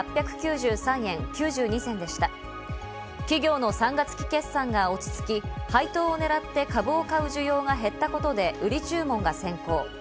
企業の３月期決算が落ち着き、配当をねらって株を買う需要が減ったことで売り注文が先行。